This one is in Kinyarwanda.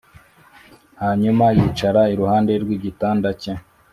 hanyuma yicara iruhande rw'igitanda cye.